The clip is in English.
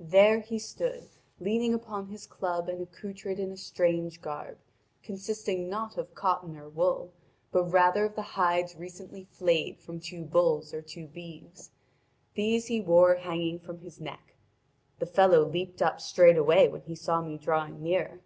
There he stood, leaning upon his club and accoutred in a strange garb, consisting not of cotton or wool, but rather of the hides recently flayed from two bulls or two beeves: these he wore hanging from his neck. The fellow leaped up straightway when he saw me drawing near.